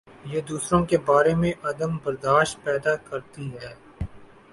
یہ دوسروں کے بارے میں عدم بر داشت پیدا کر تی ہے۔